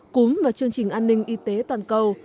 cúm và chương trình an ninh y tế toàn cầu